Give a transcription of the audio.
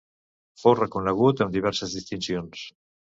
Fou reconegut amb diverses distincions.